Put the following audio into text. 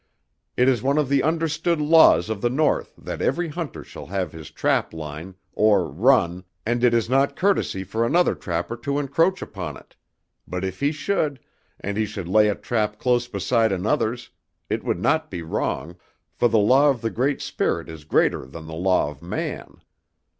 It is one of the understood laws of the North that every hunter shall have his 'trap line,' or 'run,' and it is not courtesy for another trapper to encroach upon it; but if he should, and he should lay a trap close beside another's, it would not be wrong, for the law of the Great Spirit is greater than the law of man.